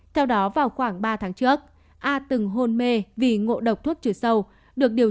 theo đó vào khoảng ba tháng trước a từng hôn mê vì ngộ độc thuốc trừ sâu